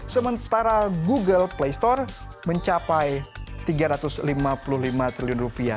sementara google play store mencapai rp tiga ratus lima puluh lima triliun